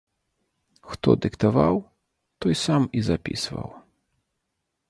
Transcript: Хто дыктаваў, той сам і запісваў.